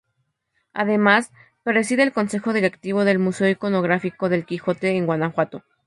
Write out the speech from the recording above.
Además, preside el Consejo Directivo del Museo iconográfico del Quijote en Guanajuato.